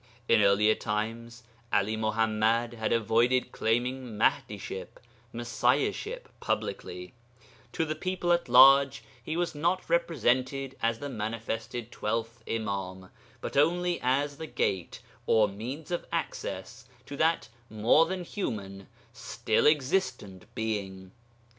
In earlier times 'Ali Muḥammad had avoided claiming Mahdiship (Messiahship) publicly; to the people at large he was not represented as the manifested Twelfth Imâm, but only as the Gate, or means of access to that more than human, still existent being.